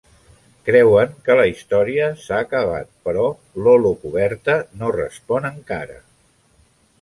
Creuen que la història s"ha acabat però l"holocoberta no respon encara.